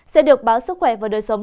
sẽ được báo sức khỏe và đời sống